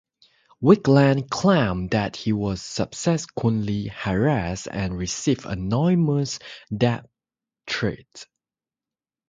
Wigand claimed that he was subsequently harassed and received anonymous death threats.